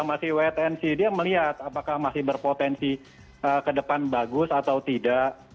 masih wetensi dia melihat apakah masih berpotensi ke depan bagus atau tidak